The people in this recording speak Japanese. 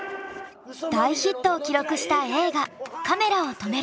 大ヒットを記録した映画「カメラを止めるな！」。